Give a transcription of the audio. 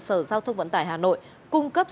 sở giao thông vận tải hà nội cung cấp